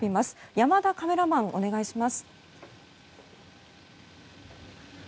山田カメラマン、お願いします。